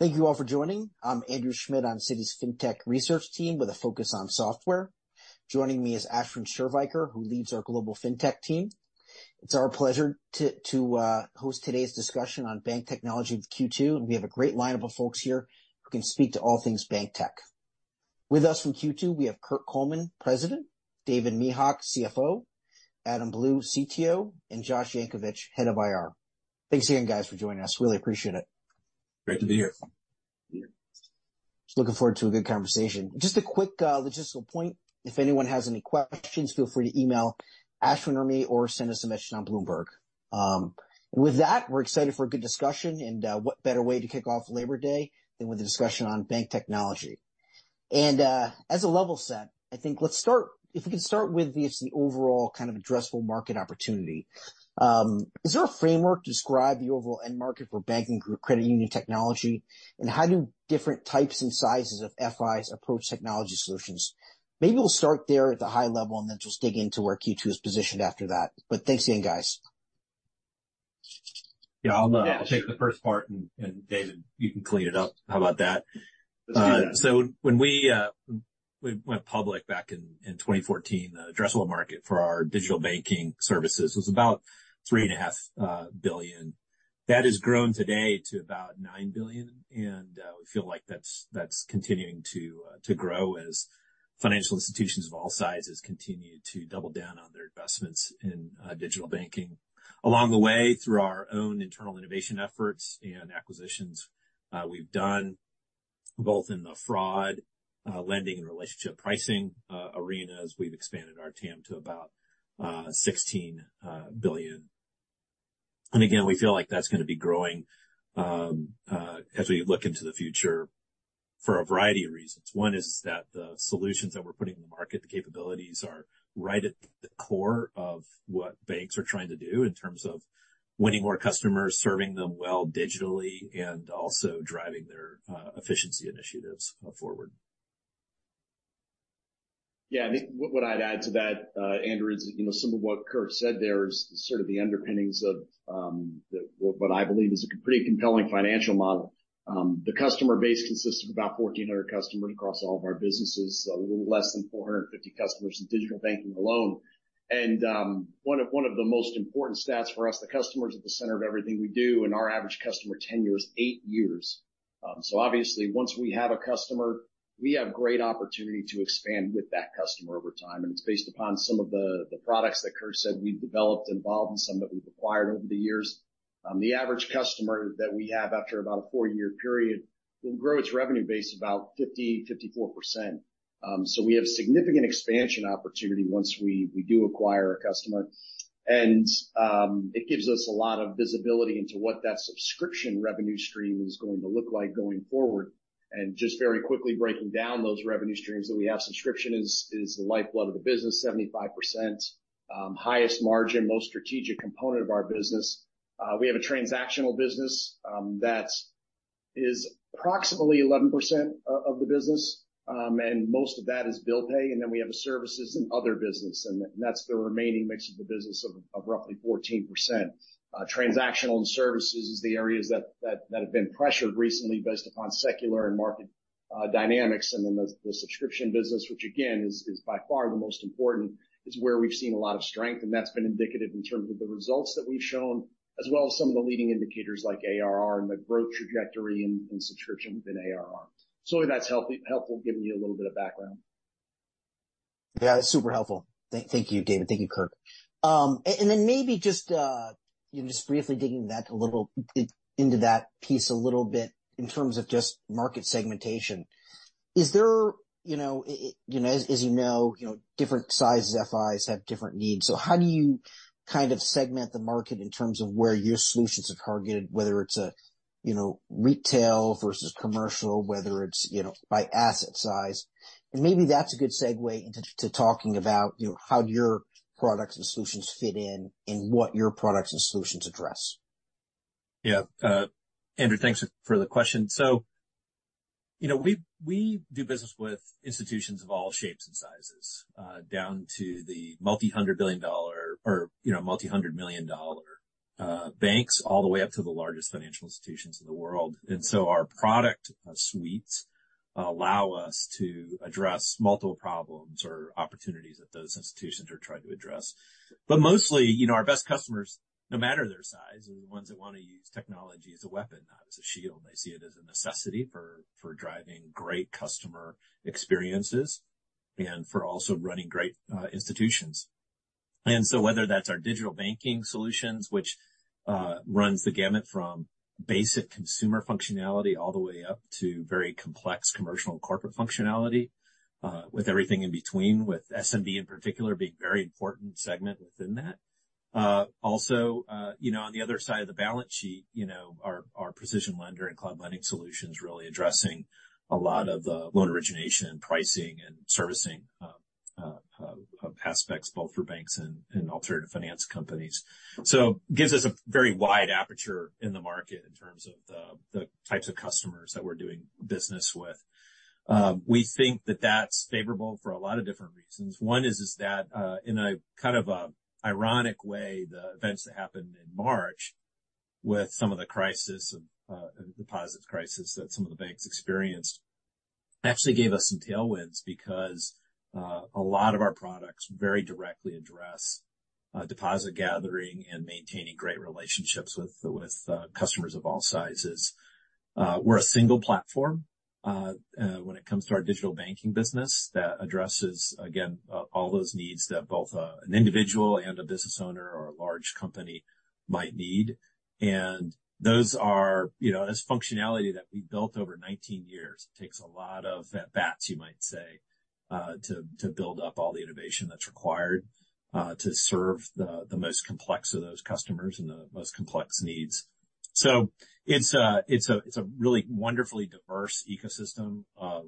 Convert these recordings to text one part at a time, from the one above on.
Thank you all for joining. I'm Andrew Schmidt. I'm Citi's fintech research team with a focus on software. Joining me is Ashwin Shirvaikar, who leads our global fintech team. It's our pleasure to host today's discussion on bank technology with Q2, and we have a great lineup of folks here who can speak to all things bank tech. With us from Q2, we have Kirk Coleman, President, David Mehok, CFO, Adam Blue, CTO, and Josh Yankovich, head of IR. Thanks again, guys, for joining us. Really appreciate it. Great to be here. Looking forward to a good conversation. Just a quick, logistical point. If anyone has any questions, feel free to email Ashwin or me, or send us a mention on Bloomberg. With that, we're excited for a good discussion, and, what better way to kick off Labor Day than with a discussion on bank technology? As a level set, I think let's start—if we can start with the, just the overall kind of addressable market opportunity. Is there a framework to describe the overall end market for banking group credit union technology? And how do different types and sizes of FIs approach technology solutions? Maybe we'll start there at the high level and then just dig into where Q2 is positioned after that. But thanks again, guys. Yeah, I'll take the first part, and David, you can clean it up. How about that? Let's do that. So when we went public back in 2014, the addressable market for our digital banking services was about $3.5 billion. That has grown today to about $9 billion, and we feel like that's continuing to grow as financial institutions of all sizes continue to double down on their investments in digital banking. Along the way, through our own internal innovation efforts and acquisitions we've done, both in the fraud, lending and Relationship Pricing arenas, we've expanded our TAM to about $16 billion. And again, we feel like that's going to be growing as we look into the future for a variety of reasons. One is that the solutions that we're putting in the market, the capabilities, are right at the core of what banks are trying to do in terms of winning more customers, serving them well digitally, and also driving their efficiency initiatives forward. Yeah, I think what I'd add to that, Andrew, is, you know, some of what Kirk said there is sort of the underpinnings of the what I believe is a pretty compelling financial model. The customer base consists of about 1,400 customers across all of our businesses, a little less than 450 customers in digital banking alone. One of the most important stats for us, the customer is at the center of everything we do, and our average customer tenure is eight years. So obviously once we have a customer, we have great opportunity to expand with that customer over time, and it's based upon some of the products that Kirk said we've developed involved and some that we've acquired over the years. The average customer that we have after about a four-year period will grow its revenue base about 54%. So we have significant expansion opportunity once we do acquire a customer. And it gives us a lot of visibility into what that subscription revenue stream is going to look like going forward. And just very quickly breaking down those revenue streams that we have, subscription is the lifeblood of the business, 75%, highest margin, most strategic component of our business. We have a transactional business that is approximately 11% of the business, and most of that is bill pay. And then we have a services and other business, and that's the remaining mix of the business of roughly 14%. Transactional and services is the areas that have been pressured recently based upon secular and market dynamics. And then the subscription business, which again is by far the most important, is where we've seen a lot of strength, and that's been indicative in terms of the results that we've shown, as well as some of the leading indicators like ARR and the growth trajectory in subscription within ARR. So I hope that's helpful, giving you a little bit of background. Yeah, super helpful. Thank you, David. Thank you, Kirk. And then maybe just, you know, just briefly digging that a little bit into that piece a little bit in terms of just market segmentation. Is there, you know, it, it, as you know, you know, different sizes FIs have different needs. So how do you kind of segment the market in terms of where your solutions are targeted, whether it's a, you know, retail versus commercial, whether it's, you know, by asset size? And maybe that's a good segue into to talking about, you know, how your products and solutions fit in and what your products and solutions address. Yeah. Andrew, thanks for the question. So, you know, we do business with institutions of all shapes and sizes, down to the multi-hundred-billion-dollar or, you know, multi-hundred-million-dollar, banks, all the way up to the largest financial institutions in the world. So our product suites allow us to address multiple problems or opportunities that those institutions are trying to address. But mostly, you know, our best customers, no matter their size, are the ones that want to use technology as a weapon, not as a shield. They see it as a necessity for driving great customer experiences and for also running great institutions. Whether that's our digital banking solutions, which runs the gamut from basic consumer functionality all the way up to very complex commercial and corporate functionality, with everything in between, with SMB in particular being a very important segment within that. Also, you know, on the other side of the balance sheet, you know, our PrecisionLender and Cloud Lending solutions really addressing a lot of the loan origination, pricing, and servicing aspects, both for banks and alternative finance companies. So it gives us a very wide aperture in the market in terms of the types of customers that we're doing business with. We think that that's favorable for a lot of different reasons. One is that, in a kind of ironic way, the events that happened in March with some of the crisis of the deposits crisis that some of the banks experienced actually gave us some tailwinds because a lot of our products very directly address deposit gathering and maintaining great relationships with customers of all sizes. We're a single platform when it comes to our digital banking business. That addresses, again, all those needs that both an individual and a business owner or a large company might need. And those are, you know, as functionality that we built over 19 years, takes a lot of at-bats, you might say, to build up all the innovation that's required to serve the most complex of those customers and the most complex needs. So it's a really wonderfully diverse ecosystem of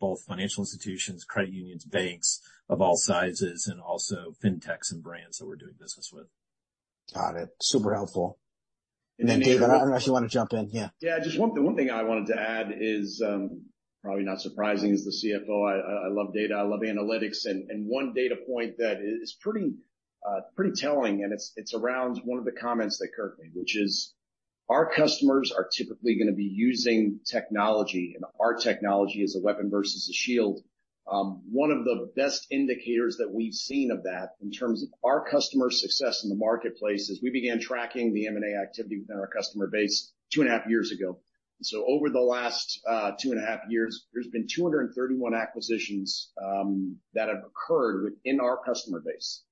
both financial institutions, credit unions, banks of all sizes, and also fintechs and brands that we're doing business with. Got it. Super helpful. And then, David, I don't know if you want to jump in. Yeah. Yeah, just one thing, one thing I wanted to add is, probably not surprising, as the CFO, I, I love data, I love analytics. And, and one data point that is pretty, pretty telling, and it's, it's around one of the comments that Kirk made, which is our customers are typically going to be using technology and our technology as a weapon versus a shield. One of the best indicators that we've seen of that in terms of our customer success in the Marketplace is we began tracking the M&A activity within our customer base 2.5 years ago. So over the last 2.5 years, there's been 231 acquisitions that have occurred within our customer base.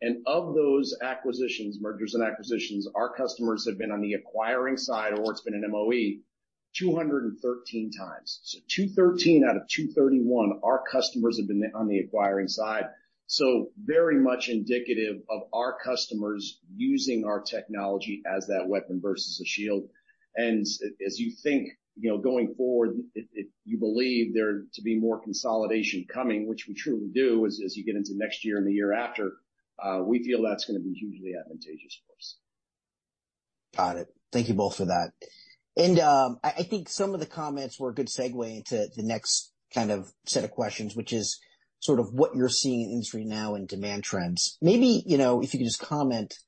And of those acquisitions, mergers and acquisitions, our customers have been on the acquiring side, or it's been an MOE, 213 times. So 213 out of 231, our customers have been on the acquiring side. So very much indicative of our customers using our technology as that weapon versus a shield. And as you think, you know, going forward, it, it-- you believe there to be more consolidation coming, which we truly do, as, as you get into next year and the year after, we feel that's going to be hugely advantageous for us. Got it. Thank you both for that. I think some of the comments were a good segue into the next kind of set of questions, which is sort of what you're seeing in the industry now and demand trends. Maybe, you know, if you could just comment,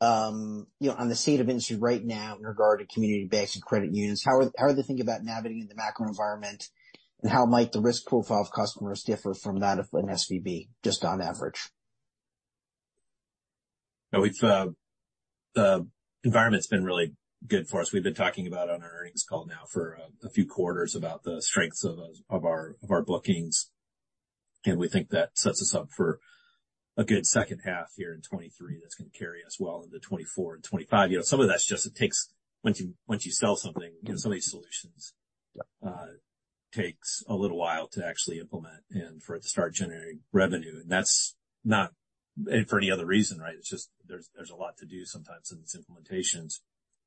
you know, on the state of industry right now in regard to community banks and credit unions. How are they thinking about navigating the macro environment, and how might the risk profile of customers differ from that of an SVB, just on average? No, we've. The environment's been really good for us. We've been talking about on our earnings call now for a, a few quarters about the strengths of, of our, of our bookings, and we think that sets us up for a good second half here in 2023. That's going to carry us well into 2024 and 2025. You know, some of that's just it takes once you, once you sell something, you know, some of these solutions, takes a little while to actually implement and for it to start generating revenue. And that's not for any other reason, right? It's just there's, there's a lot to do sometimes in these implementations.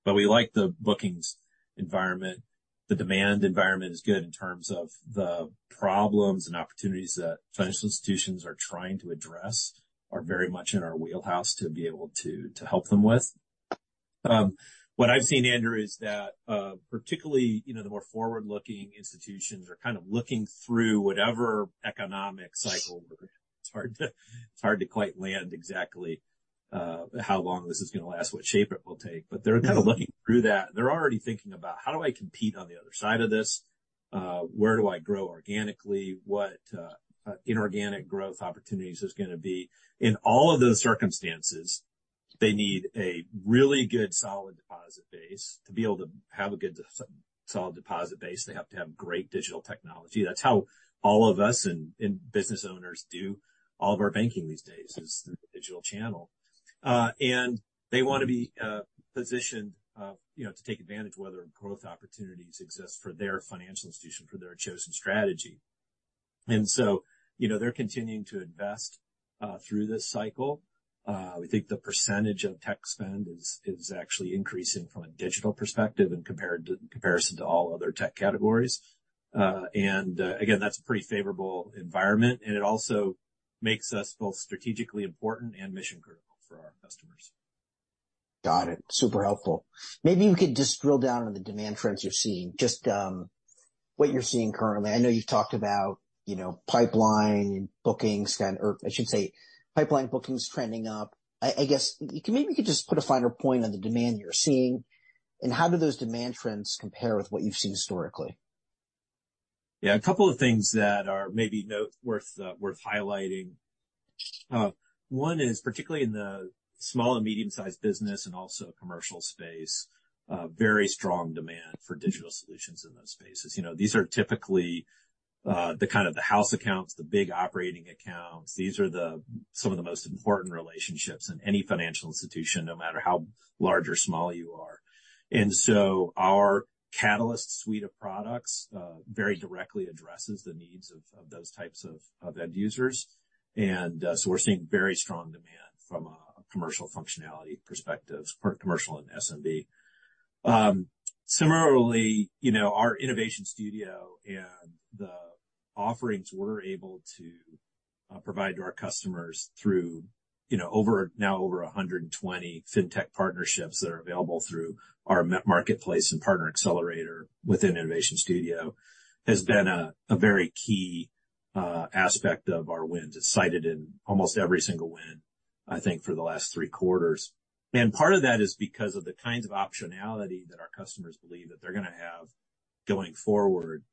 But we like the bookings environment. The demand environment is good in terms of the problems and opportunities that financial institutions are trying to address, are very much in our wheelhouse to be able to help them with. What I've seen, Andrew, is that, particularly, you know, the more forward-looking institutions are kind of looking through whatever economic cycle we're in. It's hard to quite land exactly how long this is going to last, what shape it will take. But they're kind of looking through that. They're already thinking about: How do I compete on the other side of this? Where do I grow organically? What inorganic growth opportunities is going to be? In all of those circumstances, they need a really good, solid deposit base. To be able to have a good, solid deposit base, they have to have great digital technology. That's how all of us and business owners do all of our banking these days, is through the digital channel. And they want to be positioned, you know, to take advantage of whether growth opportunities exist for their financial institution, for their chosen strategy. And so, you know, they're continuing to invest through this cycle. We think the percentage of tech spend is actually increasing from a digital perspective and compared to all other tech categories. And again, that's a pretty favorable environment, and it also makes us both strategically important and mission-critical for our customers. Got it. Super helpful. Maybe you could just drill down on the demand trends you're seeing, just what you're seeing currently. I know you've talked about, you know, pipeline bookings, or I should say, pipeline bookings trending up. I guess you could just put a finer point on the demand you're seeing, and how do those demand trends compare with what you've seen historically? Yeah, a couple of things that are maybe noteworthy, worth highlighting. One is, particularly in the small and medium-sized business and also commercial space, very strong demand for digital solutions in those spaces. You know, these are typically the kind of house accounts, the big operating accounts. These are some of the most important relationships in any financial institution, no matter how large or small you are. And so our Catalyst suite of products very directly addresses the needs of those types of end users. And so we're seeing very strong demand from a commercial functionality perspective, commercial and SMB. Similarly, you know, our Innovation Studio and the offerings we're able to provide to our customers through, you know, over, now over 120 fintech partnerships that are available through our Marketplace and Partner Accelerator within Innovation Studio, has been a very key aspect of our wins. It's cited in almost every single win. I think for the last three quarters. And part of that is because of the kinds of optionality that our customers believe that they're going to have going forward.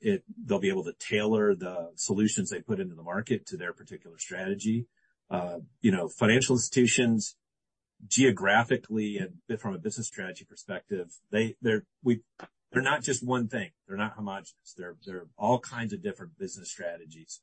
It—they'll be able to tailor the solutions they put into the market to their particular strategy. You know, financial institutions, geographically and from a business strategy perspective, they, they're not just one thing. They're not homogeneous. They're all kinds of different business strategies.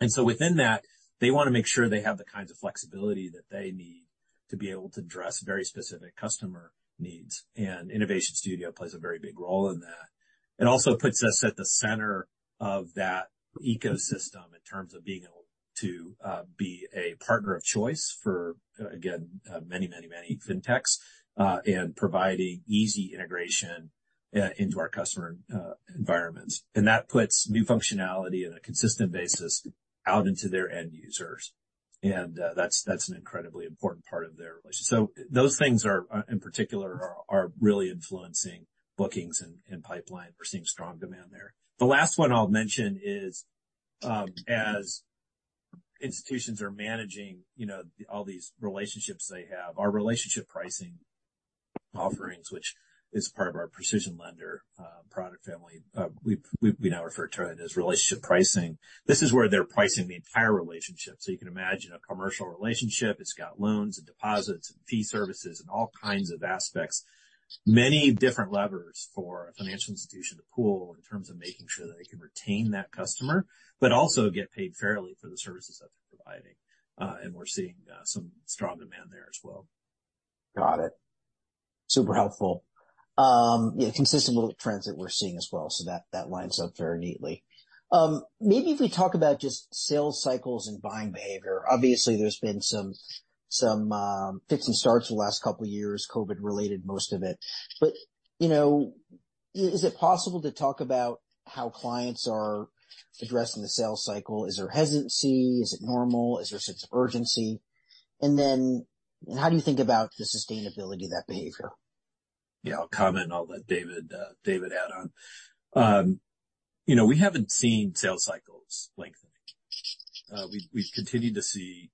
And so within that, they want to make sure they have the kinds of flexibility that they need to be able to address very specific customer needs, and Innovation Studio plays a very big role in that. It also puts us at the center of that ecosystem in terms of being able to be a partner of choice for, again, many, many, many Fintechs, and providing easy integration into our customer environments. And that puts new functionality on a consistent basis out into their end users, and that's an incredibly important part of their relationship. So those things are in particular really influencing bookings and pipeline. We're seeing strong demand there. The last one I'll mention is, as institutions are managing, you know, all these relationships they have, our Relationship Pricing offerings, which is part of our PrecisionLender product family, we now refer to it as Relationship Pricing. This is where they're pricing the entire relationship. So you can imagine a commercial relationship, it's got loans and deposits and fee services and all kinds of aspects, many different levers for a financial institution to pull in terms of making sure that they can retain that customer, but also get paid fairly for the services that they're providing. And we're seeing some strong demand there as well. Got it. Super helpful. Yeah, consistent with the trends that we're seeing as well, so that that lines up very neatly. Maybe if we talk about just sales cycles and buying behavior. Obviously, there's been some fits and starts the last couple of years, COVID-related, most of it. But, you know, is it possible to talk about how clients are addressing the sales cycle? Is there hesitancy? Is it normal? Is there sense of urgency? And then how do you think about the sustainability of that behavior? Yeah, I'll comment, and I'll let David, David add on. You know, we haven't seen sales cycles lengthening. We've continued to see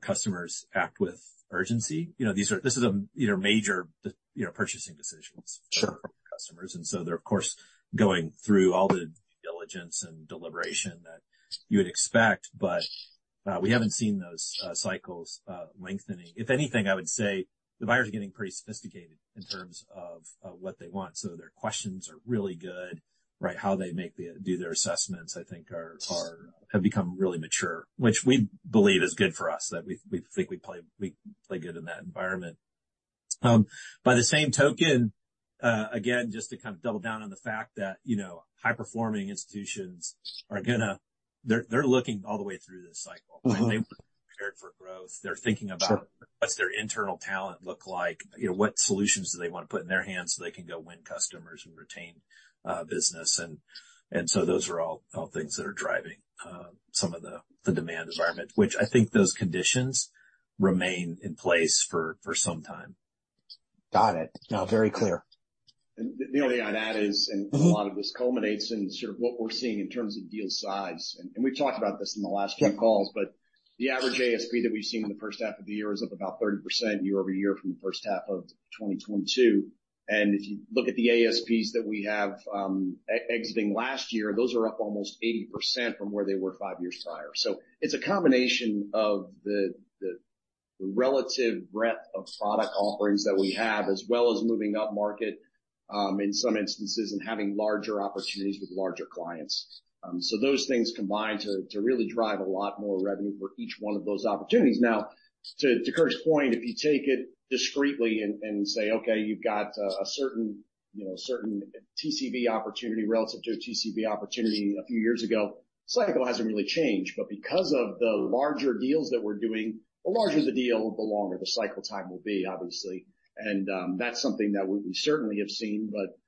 customers act with urgency. You know, these are, this is a, you know, major, you know, purchasing decisions- Sure. for customers, and so they're, of course, going through all the diligence and deliberation that you would expect, but we haven't seen those cycles lengthening. If anything, I would say the buyers are getting pretty sophisticated in terms of what they want. So their questions are really good, right? How they do their assessments, I think have become really mature, which we believe is good for us, that we think we play good in that environment. By the same token, again, just to kind of double down on the fact that, you know, high-performing institutions are gonna. They're looking all the way through this cycle. Mm-hmm. They're prepared for growth. They're thinking about- Sure. -What's their internal talent look like? You know, what solutions do they want to put in their hands so they can go win customers and retain business? And so those are all things that are driving some of the demand environment, which I think those conditions remain in place for some time. Got it. No, very clear. The only I'd add is, a lot of this culminates in sort of what we're seeing in terms of deal size, and we've talked about this in the last few calls, but the average ASP that we've seen in the first half of the year is up about 30% year-over-year from the first half of 2022. And if you look at the ASPs that we have exiting last year, those are up almost 80% from where they were five years prior. So it's a combination of the relative breadth of product offerings that we have, as well as moving upmarket in some instances, and having larger opportunities with larger clients. So those things combine to really drive a lot more revenue for each one of those opportunities. Now, to Kurt's point, if you take it discretely and say, okay, you've got a certain, you know, certain TCV opportunity relative to a TCV opportunity a few years ago, cycle hasn't really changed, but because of the larger deals that we're doing, the larger the deal, the longer the cycle time will be, obviously. That's something that we certainly have seen, but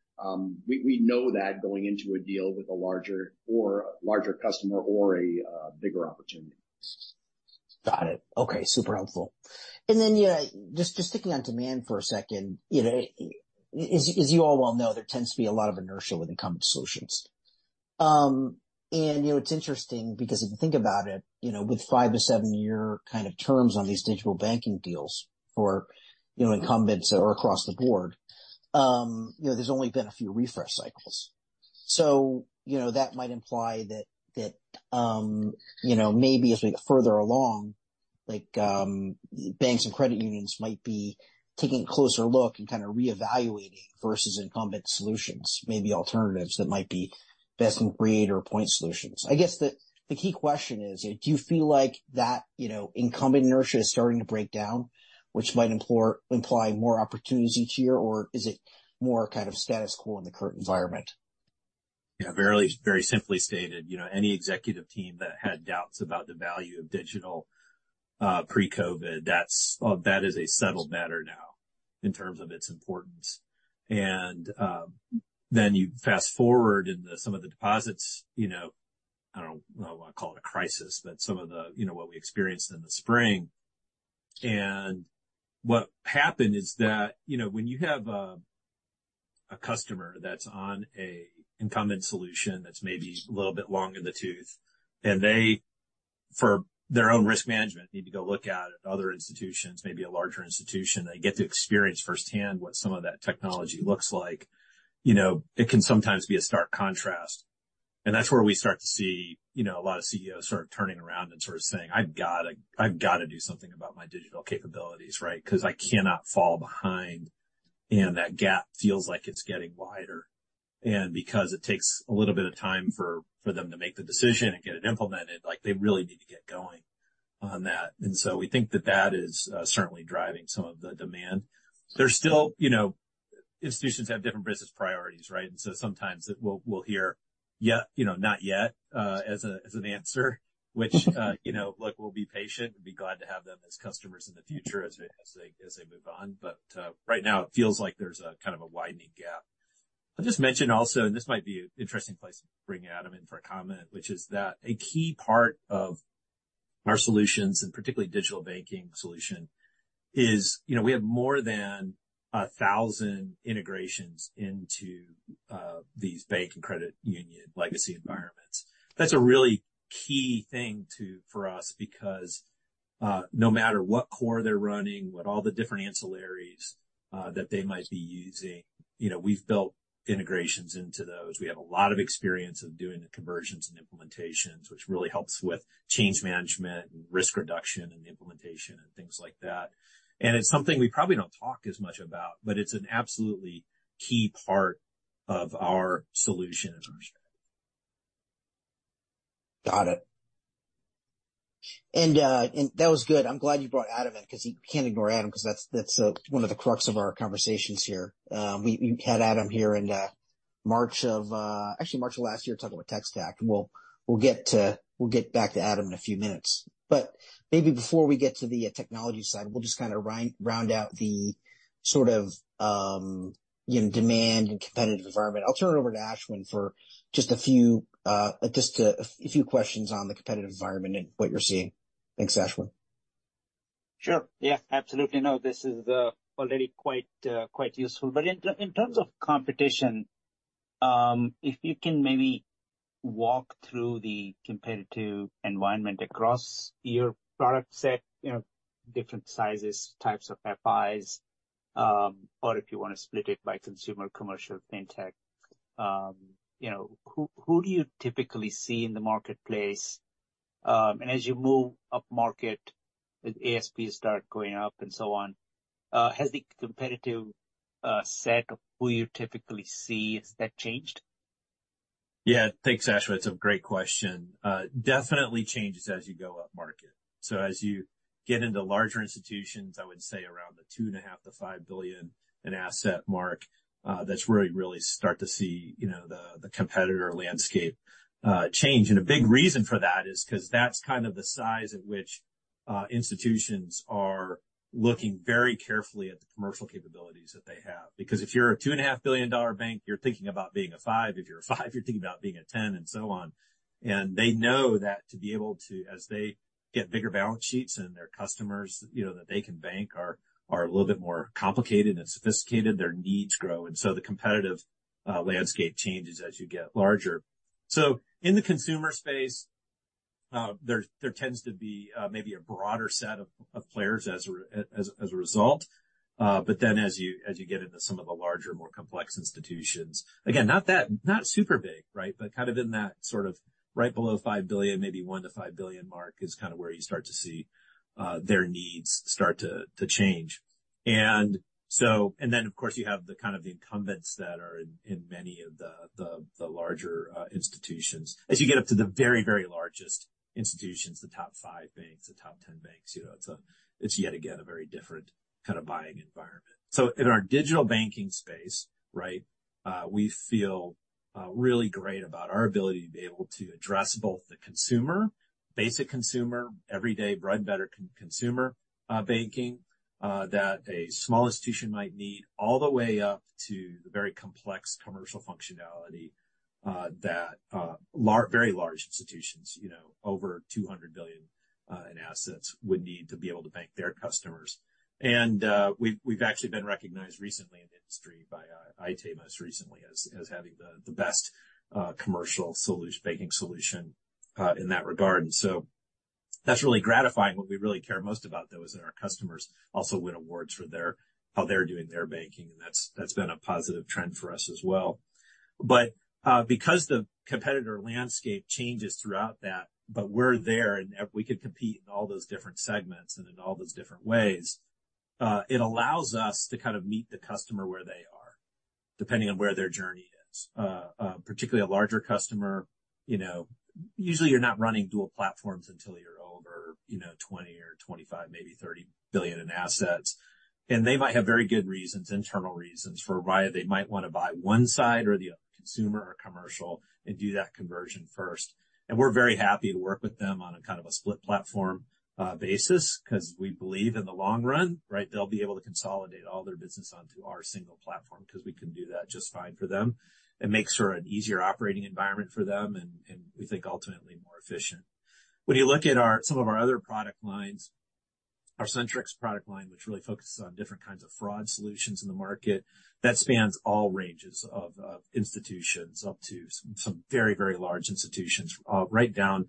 we know that going into a deal with a larger customer or a bigger opportunity. Got it. Okay, super helpful. And then, yeah, just sticking on demand for a second. You know, as you all well know, there tends to be a lot of inertia with incumbent solutions. And, you know, it's interesting because if you think about it, you know, with 5-7-year kind of terms on these digital banking deals for, you know, incumbents or across the board, you know, there's only been a few refresh cycles. So, you know, that might imply that, you know, maybe as we get further along, like, banks and credit unions might be taking a closer look and kind of reevaluating versus incumbent solutions, maybe alternatives that might be best in breed or point solutions. I guess the key question is, do you feel like that, you know, incumbent inertia is starting to break down, which might implore, imply more opportunities each year, or is it more kind of status quo in the current environment? Yeah, very, very simply stated, you know, any executive team that had doubts about the value of digital pre-COVID, that's, that is a settled matter now in terms of its importance. And then you fast-forward into some of the deposits, you know, I don't know, I'll call it a crisis, but some of the, you know, what we experienced in the spring. And what happened is that, you know, when you have a customer that's on an incumbent solution that's maybe a little bit long in the tooth, and they, for their own risk management, need to go look at other institutions, maybe a larger institution. They get to experience firsthand what some of that technology looks like. You know, it can sometimes be a stark contrast, and that's where we start to see, you know, a lot of CEOs sort of turning around and sort of saying, "I've gotta, I've gotta do something about my digital capabilities, right? Because I cannot fall behind." And that gap feels like it's getting wider. And because it takes a little bit of time for them to make the decision and get it implemented, like, they really need to get going on that. And so we think that that is certainly driving some of the demand. There's still... You know, institutions have different business priorities, right? And so sometimes we'll hear, yeah, you know, not yet, as an answer, which, you know, look, we'll be patient. We'd be glad to have them as customers in the future as they move on. But right now, it feels like there's a kind of a widening gap. I'll just mention also, and this might be an interesting place to bring Adam in for a comment, which is that a key part of our solutions, and particularly digital banking solution, is, you know, we have more than 1,000 integrations into these bank and credit union legacy environments. That's a really key thing for us because no matter what core they're running, what all the different ancillaries that they might be using, you know, we've built integrations into those. We have a lot of experience of doing the conversions and implementations, which really helps with change management and risk reduction and implementation and things like that. And it's something we probably don't talk as much about, but it's an absolutely key part of our solution and our strategy. Got it. And that was good. I'm glad you brought Adam in because you can't ignore Adam, because that's one of the crux of our conversations here. We had Adam here in March of... actually March of last year, talking about Tech Stack. We'll get to - we'll get back to Adam in a few minutes. But maybe before we get to the technology side, we'll just kind of round out the sort of, you know, demand and competitive environment. I'll turn it over to Ashwin for just a few questions on the competitive environment and what you're seeing. Thanks, Ashwin. Sure. Yeah, absolutely. No, this is already quite quite useful. But in terms of competition, if you can maybe walk through the competitive environment across your product set, you know, different sizes, types of FIs, or if you want to split it by consumer, commercial, fintech. You know, who do you typically see in the Marketplace? And as you move upmarket, as ASPs start going up and so on, has the competitive set of who you typically see, has that changed? Yeah. Thanks, Ashwin. It's a great question. Definitely changes as you go upmarket. So as you get into larger institutions, I would say around the $2.5 billion-$5 billion in assets mark, that's where you really start to see, you know, the competitor landscape change. And a big reason for that is because that's kind of the size at which institutions are looking very carefully at the commercial capabilities that they have. Because if you're a $2.5 billion dollar bank, you're thinking about being a $5 billion. If you're a $5 billion, you're thinking about being a $10 billion, and so on. And they know that to be able to... As they get bigger balance sheets and their customers, you know, that they can bank, are a little bit more complicated and sophisticated, their needs grow, and so the competitive landscape changes as you get larger. So in the consumer space, there tends to be maybe a broader set of players as a result. But then as you get into some of the larger, more complex institutions, again, not that super big, right? But kind of in that sort of right below $5 billion, maybe $1 billion-$5 billion mark is kind of where you start to see their needs start to change. And then, of course, you have the kind of the incumbents that are in many of the larger institutions. As you get up to the very, very largest institutions, the top five banks, the top 10 banks, you know, it's yet again a very different kind of buying environment. So in our digital banking space, right, we feel really great about our ability to be able to address both the consumer, basic consumer, everyday bread-and-butter consumer banking that a small institution might need, all the way up to the very complex commercial functionality that very large institutions, you know, over $200 billion in assets, would need to be able to bank their customers. We've actually been recognized recently in the industry by Aite, most recently, as having the best commercial banking solution in that regard. So that's really gratifying. What we really care most about, though, is that our customers also win awards for how they're doing their banking, and that's been a positive trend for us as well. But because the competitor landscape changes throughout that, but we're there, and we can compete in all those different segments and in all those different ways, it allows us to kind of meet the customer where they are, depending on where their journey is. Particularly a larger customer, you know, usually you're not running dual platforms until you're over, you know, $20 or $25, maybe $30 billion in assets. And they might have very good reasons, internal reasons, for why they might want to buy one side or the other, consumer or commercial, and do that conversion first. And we're very happy to work with them on a kind of a split platform basis, because we believe in the long run, right, they'll be able to consolidate all their business onto our single platform, because we can do that just fine for them. It makes for an easier operating environment for them, and we think ultimately more efficient. When you look at some of our other product lines, our Centrix product line, which really focuses on different kinds of fraud solutions in the market, that spans all ranges of institutions, up to some very, very large institutions, right down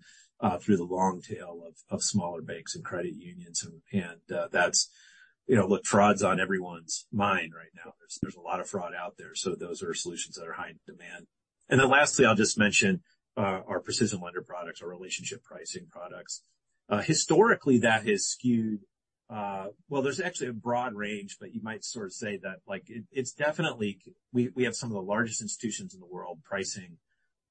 through the long tail of smaller banks and credit unions. And that's... You know, look, fraud's on everyone's mind right now. There's a lot of fraud out there, so those are solutions that are in high demand. And then lastly, I'll just mention, our PrecisionLender products, our Relationship Pricing products. Historically, that has skewed. Well, there's actually a broad range, but you might sort of say that, like, it, it's definitely, we, we have some of the largest institutions in the world pricing,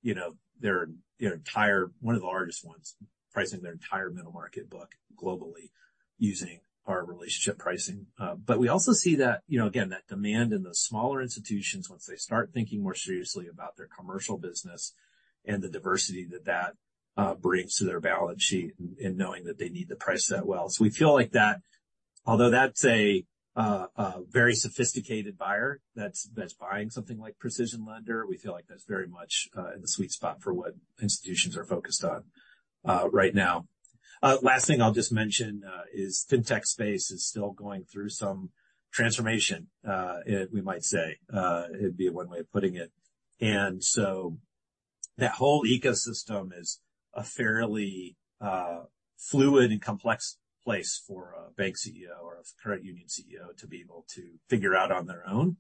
you know, their entire, one of the largest ones, pricing their entire middle market book globally using our Relationship Pricing. But we also see that, you know, again, that demand in the smaller institutions, once they start thinking more seriously about their commercial business and the diversity that that brings to their balance sheet, and knowing that they need to price that well. So we feel like that, although that's a very sophisticated buyer that's, that's buying something like PrecisionLender, we feel like that's very much in the sweet spot for what institutions are focused on right now. Last thing I'll just mention is fintech space is still going through some transformation, we might say. It'd be one way of putting it. And so that whole ecosystem is a fairly fluid and complex place for a bank CEO or a credit union CEO to be able to figure out on their own.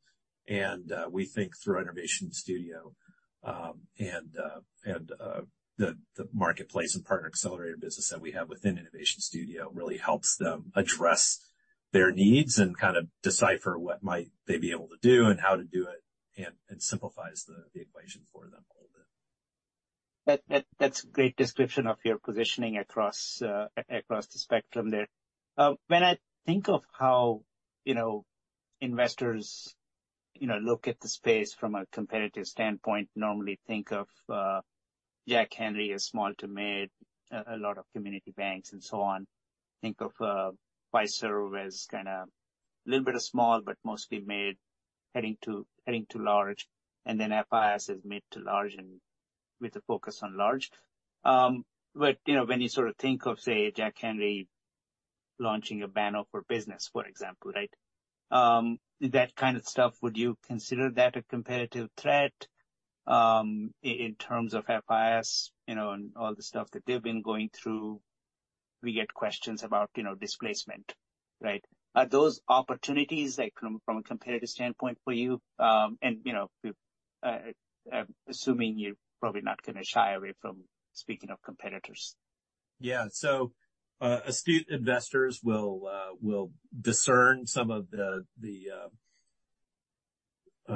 We think through our Innovation Studio, and the Marketplace and Partner Accelerator business that we have within Innovation Studio really helps them address their needs and kind of decipher what might they be able to do and how to do it, and simplifies the equation for them a little bit. That, that's a great description of your positioning across, across the spectrum there. When I think of how, you know, investors, you know, look at the space from a competitive standpoint, normally think of Jack Henry as small to mid, a lot of community banks and so on. Think of Fiserv as kind of a little bit of small, but mostly mid, heading to, heading to large, and then FIS is mid to large and with a focus on large. But, you know, when you sort of think of, say, Jack Henry launching a Banno for Business, for example, right? That kind of stuff, would you consider that a competitive threat, in terms of FIS, you know, and all the stuff that they've been going through? We get questions about, you know, displacement, right? Are those opportunities that come from a competitive standpoint for you? And you know, I'm assuming you're probably not going to shy away from speaking of competitors. Yeah. So, astute investors will discern some of the, the,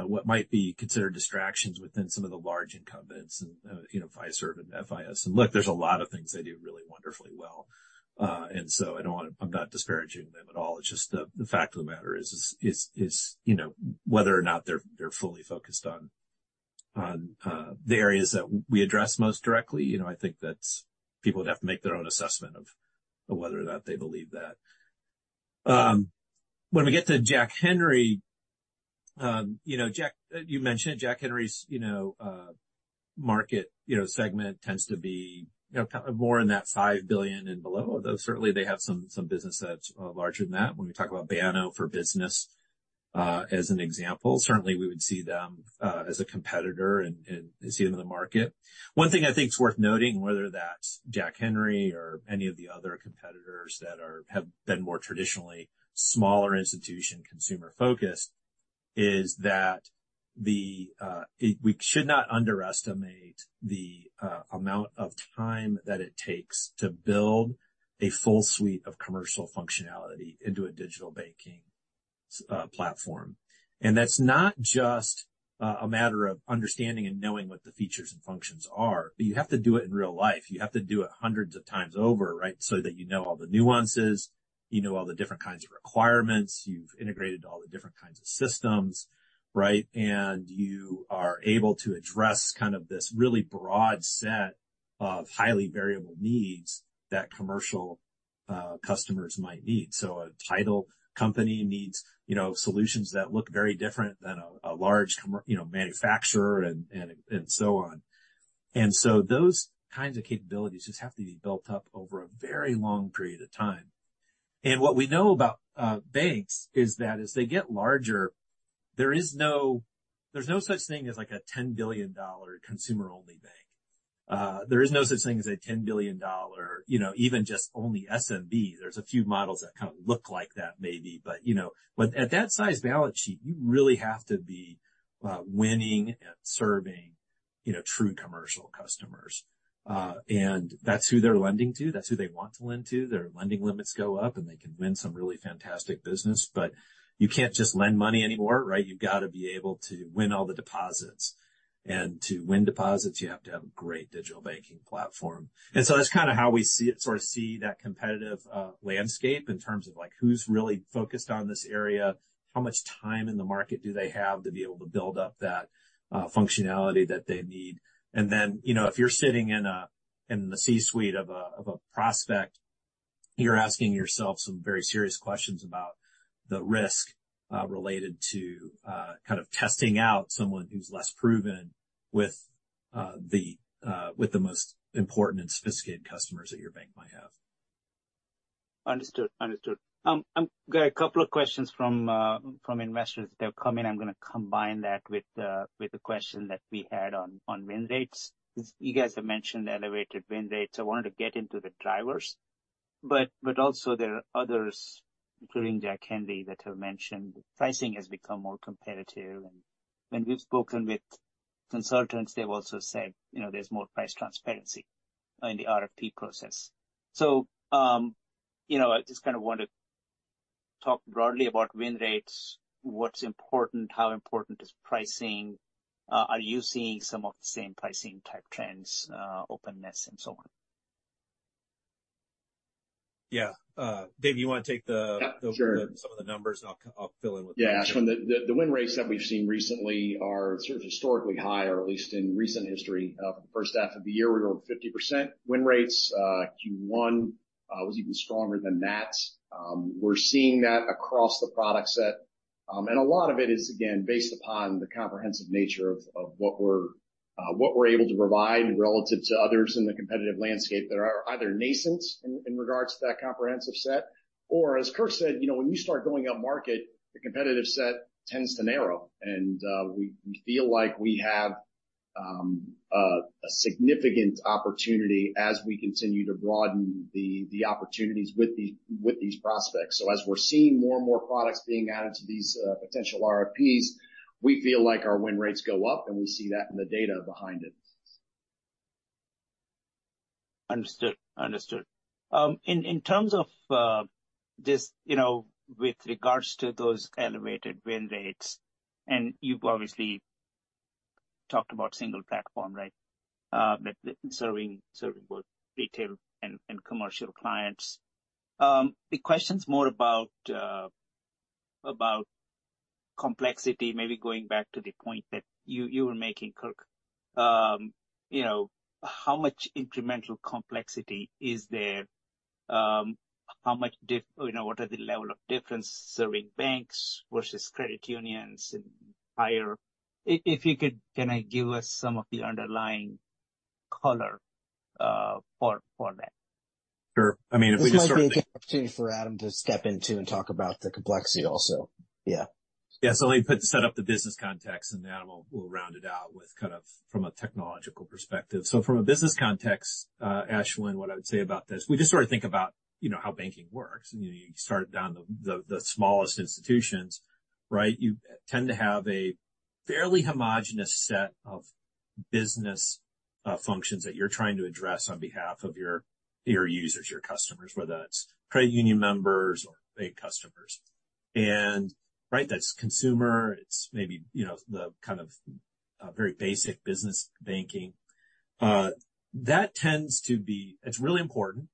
what might be considered distractions within some of the large incumbents and, you know, Fiserv and FIS. And look, there's a lot of things they do really wonderfully well. And so I don't want to, I'm not disparaging them at all. It's just the fact of the matter is, you know, whether or not they're fully focused on the areas that we address most directly. You know, I think that's... People would have to make their own assessment of whether or not they believe that. When we get to Jack Henry, you know, Jack, you mentioned it, Jack Henry's, you know, market, you know, segment tends to be, you know, kind of more in that 5 billion and below, although certainly they have some business that's larger than that. When we talk about Banno for Business, as an example, certainly we would see them as a competitor and see them in the market. One thing I think is worth noting, whether that's Jack Henry or any of the other competitors that have been more traditionally smaller institution, consumer-focused, is that we should not underestimate the amount of time that it takes to build a full suite of commercial functionality into a digital banking platform. And that's not just a matter of understanding and knowing what the features and functions are. You have to do it in real life. You have to do it hundreds of times over, right? So that you know all the nuances, you know all the different kinds of requirements, you've integrated all the different kinds of systems, right? And you are able to address kind of this really broad set of highly variable needs that commercial customers might need. So a title company needs, you know, solutions that look very different than a large commercial manufacturer and so on. And so those kinds of capabilities just have to be built up over a very long period of time. And what we know about banks is that as they get larger, there's no such thing as, like, a $10 billion consumer-only bank. There is no such thing as a $10 billion, you know, even just only SMB. There's a few models that kind of look like that, maybe, but, you know... But at that size balance sheet, you really have to be, winning and serving, you know, true commercial customers. And that's who they're lending to, that's who they want to lend to. Their lending limits go up, and they can win some really fantastic business, but you can't just lend money anymore, right? You've got to be able to win all the deposits. And to win deposits, you have to have a great digital banking platform. And so that's kind of how we see it, sort of see that competitive, landscape in terms of, like, who's really focused on this area? How much time in the market do they have to be able to build up that functionality that they need? And then, you know, if you're sitting in the C-suite of a prospect, you're asking yourself some very serious questions about the risk related to kind of testing out someone who's less proven... with the most important and sophisticated customers that your bank might have. Understood. Understood. I've got a couple of questions from, from investors that have come in. I'm going to combine that with the question that we had on win rates. You guys have mentioned elevated win rates. I wanted to get into the drivers, but also there are others, including Jack Henry, that have mentioned pricing has become more competitive. And when we've spoken with consultants, they've also said, you know, there's more price transparency in the RFP process. So, you know, I just kind of want to talk broadly about win rates. What's important? How important is pricing? Are you seeing some of the same pricing type trends, openness and so on? Yeah. Dave, you want to take the- Yeah, sure. some of the numbers, and I'll fill in with- Yeah, Ashwin, the win rates that we've seen recently are sort of historically high, or at least in recent history. For the first half of the year, we were over 50% win rates. Q1 was even stronger than that. We're seeing that across the product set. And a lot of it is, again, based upon the comprehensive nature of what we're able to provide relative to others in the competitive landscape that are either nascent in regards to that comprehensive set. Or as Kirk said, you know, when you start going upmarket, the competitive set tends to narrow. And we feel like we have a significant opportunity as we continue to broaden the opportunities with these prospects. As we're seeing more and more products being added to these potential RFPs, we feel like our win rates go up, and we see that in the data behind it. Understood. Understood. In terms of this, you know, with regards to those elevated win rates, and you've obviously talked about single platform, right? But serving both retail and commercial clients. The question's more about complexity, maybe going back to the point that you were making, Kirk. You know, how much incremental complexity is there? You know, what are the level of difference serving banks versus credit unions and higher? If you could, can I give us some of the underlying color for that? Sure. I mean, if we just start- This might be an opportunity for Adam to step in too and talk about the complexity also. Yeah. Yeah. So let me put, set up the business context, and Adam will round it out with kind of from a technological perspective. So from a business context, Ashwin, what I would say about this, we just sort of think about, you know, how banking works. And, you know, you start down the smallest institutions, right? You tend to have a fairly homogenous set of business functions that you're trying to address on behalf of your users, your customers, whether that's credit union members or bank customers. And right, that's consumer, it's maybe, you know, the kind of very basic business banking. That tends to be... It's really important.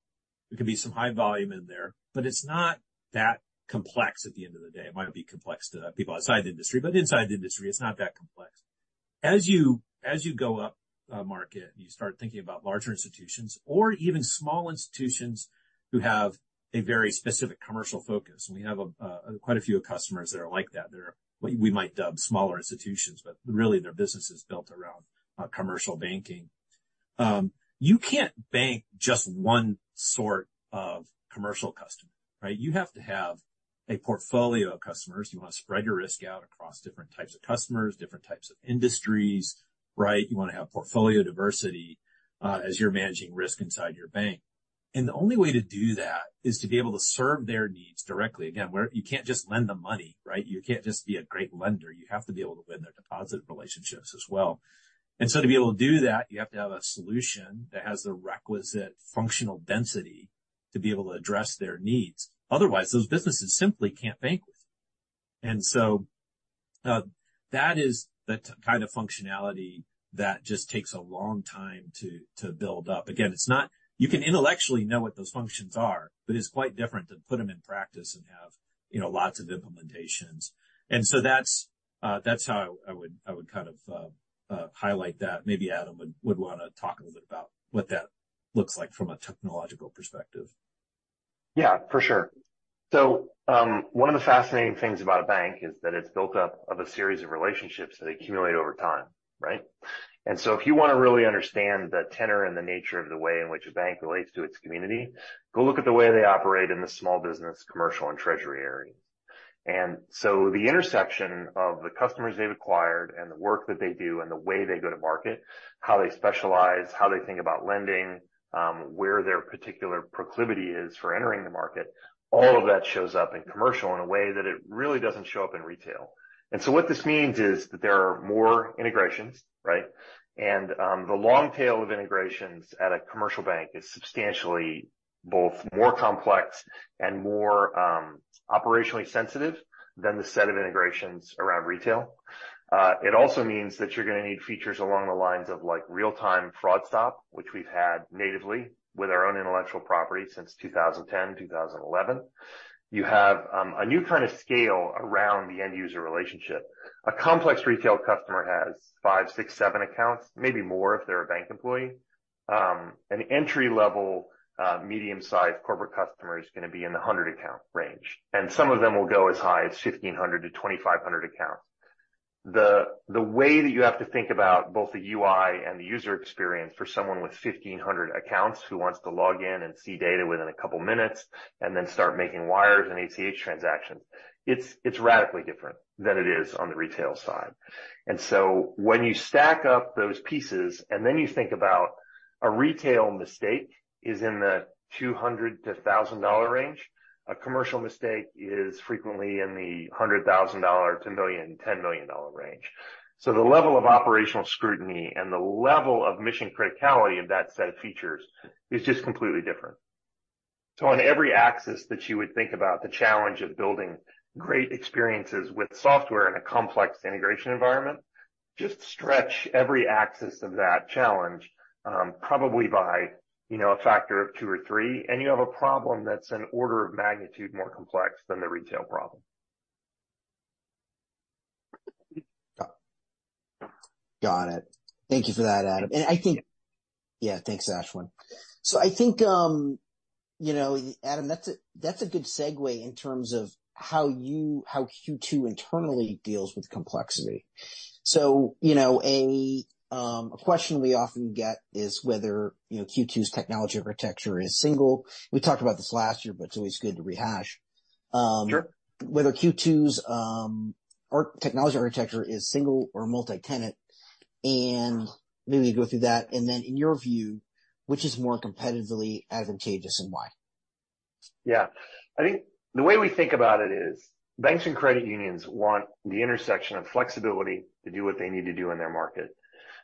There can be some high volume in there, but it's not that complex at the end of the day. It might be complex to people outside the industry, but inside the industry, it's not that complex. As you go up market, and you start thinking about larger institutions or even small institutions who have a very specific commercial focus. We have quite a few customers that are like that. They're what we might dub smaller institutions, but really their business is built around commercial banking. You can't bank just one sort of commercial customer, right? You have to have a portfolio of customers. You want to spread your risk out across different types of customers, different types of industries, right? You want to have portfolio diversity as you're managing risk inside your bank. And the only way to do that is to be able to serve their needs directly. Again, you can't just lend them money, right? You can't just be a great lender. You have to be able to win their deposit relationships as well. And so to be able to do that, you have to have a solution that has the requisite functional density to be able to address their needs. Otherwise, those businesses simply can't bank with you. And so that is the kind of functionality that just takes a long time to build up. Again, it's not... You can intellectually know what those functions are, but it's quite different to put them in practice and have, you know, lots of implementations. And so that's how I would kind of highlight that. Maybe Adam would want to talk a little bit about what that looks like from a technological perspective. Yeah, for sure. So, one of the fascinating things about a bank is that it's built up of a series of relationships that accumulate over time, right? And so if you want to really understand the tenor and the nature of the way in which a bank relates to its community, go look at the way they operate in the small business, commercial, and treasury areas. And so the intersection of the customers they've acquired and the work that they do and the way they go to market, how they specialize, how they think about lending, where their particular proclivity is for entering the market, all of that shows up in commercial in a way that it really doesn't show up in retail. And so what this means is that there are more integrations, right? The long tail of integrations at a commercial bank is substantially both more complex and more operationally sensitive than the set of integrations around retail. It also means that you're going to need features along the lines of, like, real-time fraud stop, which we've had natively with our own intellectual property since 2010, 2011. You have a new kind of scale around the end-user relationship. A complex retail customer has 5, 6, 7 accounts, maybe more, if they're a bank employee. An entry-level medium-sized corporate customer is going to be in the 100 account range, and some of them will go as high as 1,500-2,500 accounts. The way that you have to think about both the UI and the user experience for someone with 1,500 accounts who wants to log in and see data within a couple of minutes and then start making wires and ACH transactions, it's radically different than it is on the retail side. And so when you stack up those pieces and then you think about a retail mistake is in the $200-$1,000 range, a commercial mistake is frequently in the $100,000 to $1 million-$10 million range. So the level of operational scrutiny and the level of mission criticality of that set of features is just completely different. So on every axis that you would think about the challenge of building great experiences with software in a complex integration environment, just stretch every axis of that challenge, probably by, you know, a factor of two or three, and you have a problem that's an order of magnitude more complex than the retail problem. Got it. Thank you for that, Adam. And I think... Yeah, thanks, Ashwin. So I think, you know, Adam, that's a, that's a good segue in terms of how you, how Q2 internally deals with complexity. So, you know, a question we often get is whether, you know, Q2's technology architecture is single. We talked about this last year, but it's always good to rehash. Sure. Whether Q2's technology architecture is single or multi-tenant, and maybe go through that, and then in your view, which is more competitively advantageous and why? Yeah. I think the way we think about it is banks and credit unions want the intersection of flexibility to do what they need to do in their market.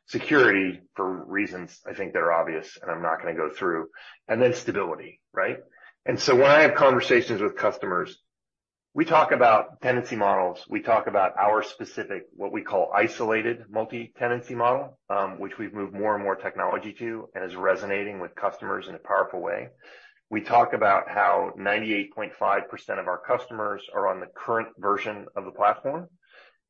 Security, for reasons I think that are obvious, and I'm not going to go through, and then stability, right? And so when I have conversations with customers, we talk about tenancy models. We talk about our specific, what we call Isolated Multi-Tenancy model, which we've moved more and more technology to and is resonating with customers in a powerful way. We talk about how 98.5% of our customers are on the current version of the platform,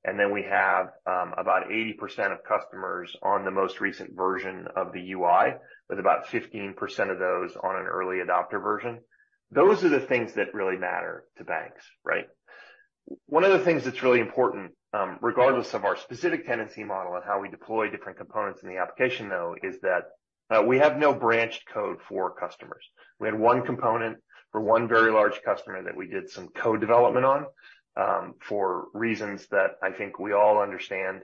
and then we have, about 80% of customers on the most recent version of the UI, with about 15% of those on an early adopter version. Those are the things that really matter to banks, right? One of the things that's really important, regardless of our specific tenancy model and how we deploy different components in the application, though, is that we have no branched code for customers. We had one component for one very large customer that we did some code development on, for reasons that I think we all understand.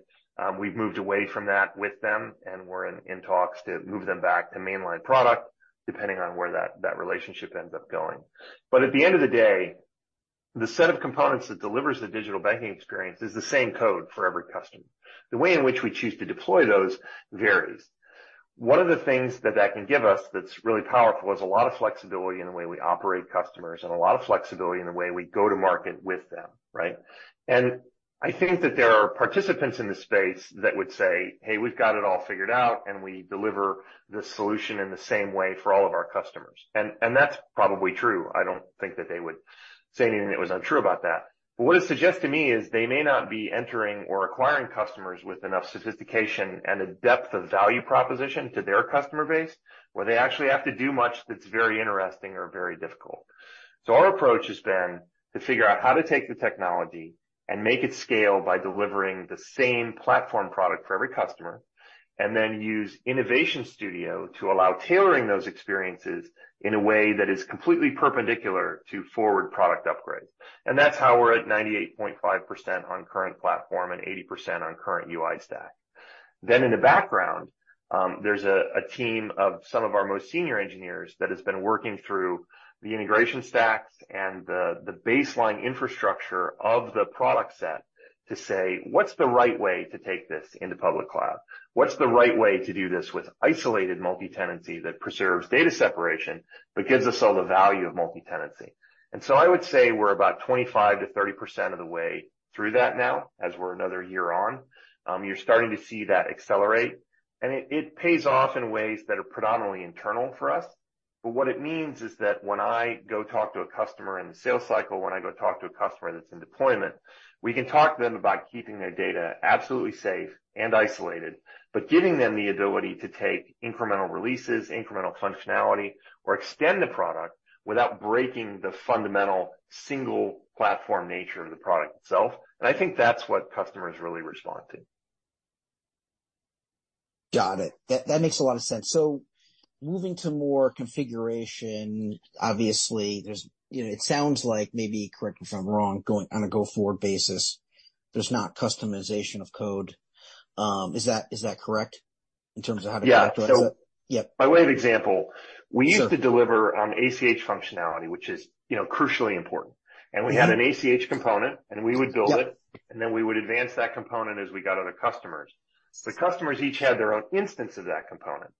We've moved away from that with them, and we're in talks to move them back to mainline product, depending on where that relationship ends up going. But at the end of the day, the set of components that delivers the digital banking experience is the same code for every customer. The way in by which we choose to deploy those varies. One of the things that can give us that's really powerful is a lot of flexibility in the way we operate customers and a lot of flexibility in the way we go to market with them, right? And I think that there are participants in the space that would say, "Hey, we've got it all figured out, and we deliver the solution in the same way for all of our customers." And that's probably true. I don't think that they would say anything that was untrue about that. But what it suggests to me is they may not be entering or acquiring customers with enough sophistication and a depth of value proposition to their customer base, where they actually have to do much that's very interesting or very difficult. So our approach has been to figure out how to take the technology and make it scale by delivering the same platform product for every customer, and then use Innovation Studio to allow tailoring those experiences in a way that is completely perpendicular to forward product upgrades. That's how we're at 98.5% on current platform and 80% on current UI stack. In the background, there's a team of some of our most senior engineers that has been working through the integration stacks and the baseline infrastructure of the product set to say, "What's the right way to take this into public cloud? What's the right way to do this with Isolated Multi-Tenancy that preserves data separation but gives us all the value of multi-tenancy?" And so I would say we're about 25%-30% of the way through that now, as we're another year on. You're starting to see that accelerate, and it pays off in ways that are predominantly internal for us. But what it means is that when I go talk to a customer in the sales cycle, when I go talk to a customer that's in deployment, we can talk to them about keeping their data absolutely safe and isolated, but giving them the ability to take incremental releases, incremental functionality, or extend the product without breaking the fundamental single platform nature of the product itself. And I think that's what customers really respond to. Got it. That, that makes a lot of sense. So moving to more configuration, obviously, there's... You know, it sounds like, maybe correct me if I'm wrong, going on a go-forward basis, there's not customization of code. Is that, is that correct in terms of how to- Yeah. Yep. By way of example, we used to deliver on ACH functionality, which is, you know, crucially important. Mm-hmm. And we had an ACH component, and we would build it. Yep. and then we would advance that component as we got other customers. The customers each had their own instance of that component.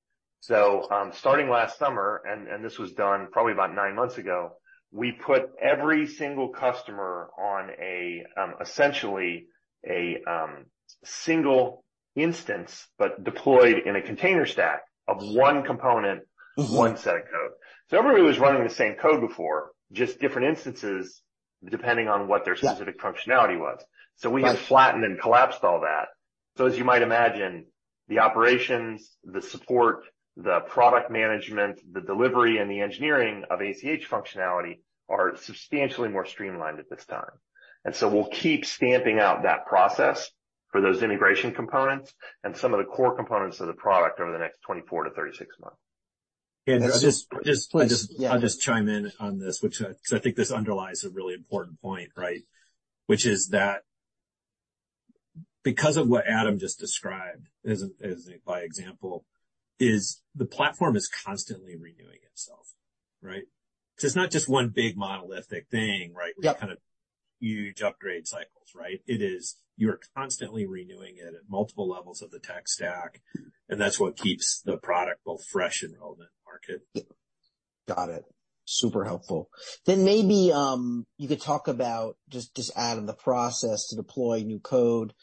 So, starting last summer, this was done probably about nine months ago, we put every single customer on essentially a single instance, but deployed in a container stack of one component- Mm-hmm. one set of code. So everybody was running the same code before, just different instances, depending on what their specific functionality was. So we had flattened and collapsed all that. So as you might imagine, the operations, the support, the product management, the delivery, and the engineering of ACH functionality are substantially more streamlined at this time. And so we'll keep stamping out that process for those integration components and some of the core components of the product over the next 24-36 months. I'll just chime in on this, 'cause I think this underlies a really important point, right? Which is that because of what Adam just described as an example, the platform is constantly renewing itself, right? So it's not just one big monolithic thing, right- Yep. With kind of huge upgrade cycles, right? It is, you're constantly renewing it at multiple levels of the tech stack, and that's what keeps the product both fresh and relevant in the market. Yep. Got it. Super helpful. Then maybe you could talk about just add in the process to deploy new code,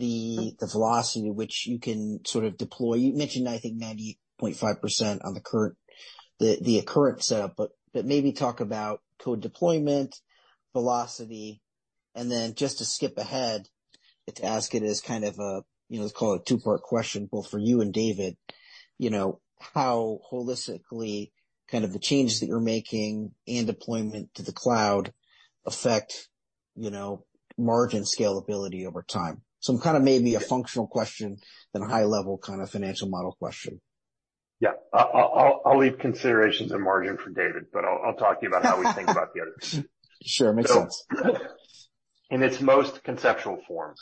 the velocity at which you can sort of deploy. You mentioned, I think, 90.5% on the current setup, but maybe talk about code deployment, velocity, and then just to skip ahead and to ask it as kind of a, you know, let's call it a two-part question, both for you and David, you know, how holistically kind of the changes that you're making and deployment to the cloud affect, you know, margin scalability over time? So kind of maybe a functional question, then a high-level kind of financial model question. Yeah. I'll leave considerations and margin for David, but I'll talk to you about how we think about the other piece. Sure, makes sense. In its most conceptual form,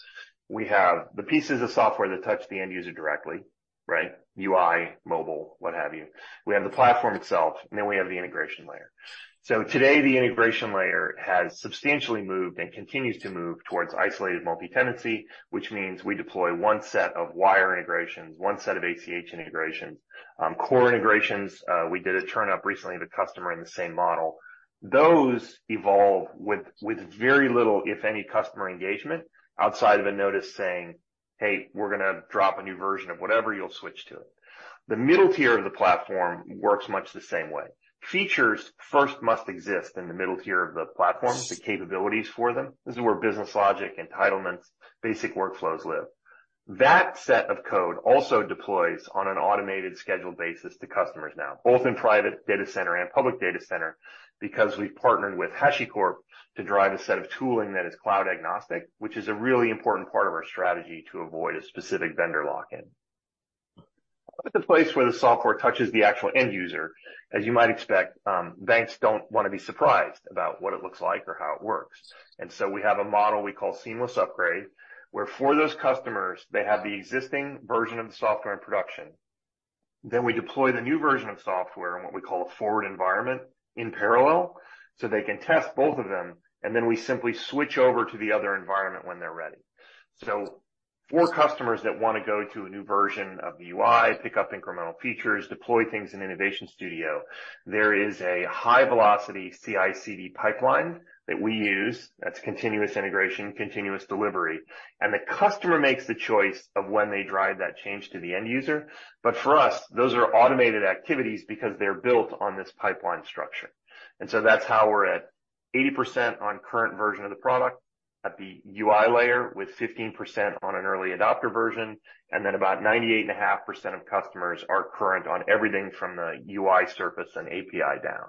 we have the pieces of software that touch the end user directly, right? UI, mobile, what have you. We have the platform itself, and then we have the integration layer. So today, the integration layer has substantially moved and continues to move towards Isolated Multi-Tenancy, which means we deploy one set of wire integrations, one set of ACH integrations, core integrations, we did a turn-up recently with a customer in the same model. Those evolve with very little, if any, customer engagement outside of a notice saying, "Hey, we're gonna drop a new version of whatever. You'll switch to it." The middle tier of the platform works much the same way. Features first must exist in the middle tier of the platform, the capabilities for them. This is where business logic, entitlements, basic workflows live. That set of code also deploys on an automated scheduled basis to customers now, both in private data center and public data center, because we've partnered with HashiCorp to drive a set of tooling that is cloud agnostic, which is a really important part of our strategy to avoid a specific vendor lock-in. At the place where the software touches the actual end user, as you might expect, banks don't want to be surprised about what it looks like or how it works. And so we have a model we call Seamless Upgrade, where for those customers, they have the existing version of the software in production. Then we deploy the new version of software in what we call a forward environment in parallel, so they can test both of them, and then we simply switch over to the other environment when they're ready. So for customers that want to go to a new version of the UI, pick up incremental features, deploy things in Innovation Studio, there is a high-velocity CICD pipeline that we use. That's continuous integration, continuous delivery. And the customer makes the choice of when they drive that change to the end user. But for us, those are automated activities because they're built on this pipeline structure. And so that's how we're at 80% on current version of the product at the UI layer, with 15% on an early adopter version, and then about 98.5% of customers are current on everything from the UI surface and API down.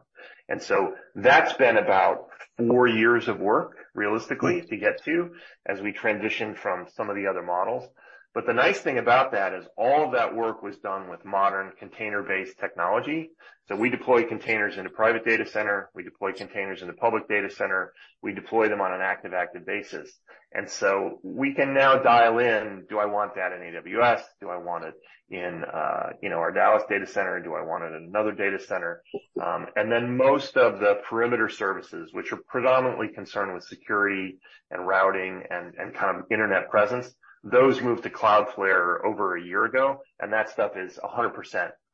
And so that's been about 4 years of work, realistically, to get to, as we transition from some of the other models. But the nice thing about that is all of that work was done with modern container-based technology. So we deploy containers into private data center, we deploy containers into public data center, we deploy them on an active-active basis. And so we can now dial in, do I want that in AWS? Do I want it in, you know, our Dallas data center? Do I want it in another data center? And then most of the perimeter services, which are predominantly concerned with security and routing and, and kind of internet presence, those moved to Cloudflare over a year ago, and that stuff is 100%